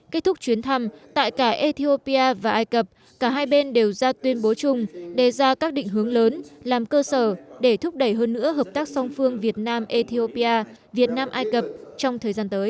kết thúc chuyến thăm tại cả ethiopia và ai cập cả hai bên đều ra tuyên bố chung đề ra các định hướng lớn làm cơ sở để thúc đẩy hơn nữa hợp tác song phương việt nam ethiopia việt nam ai cập trong thời gian tới